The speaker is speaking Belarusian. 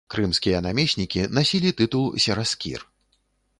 Крымскія намеснікі насілі тытул сераскір.